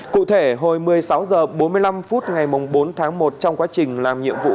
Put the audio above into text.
cụ thể hồi một mươi sáu h bốn mươi năm phút ngày bốn tháng một trong quá trình làm nhiệm vụ